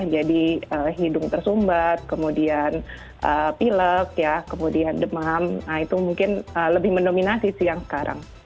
hidung tersumbat kemudian pilek ya kemudian demam nah itu mungkin lebih mendominasi siang sekarang